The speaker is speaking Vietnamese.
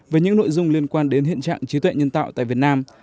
về những nội dung liên quan đến hiện trạng trí tuệ nhân tạo tại việt nam